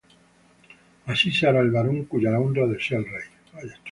Así se hará al varón cuya honra desea el rey.